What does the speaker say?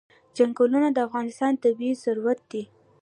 چنګلونه د افغانستان طبعي ثروت دی.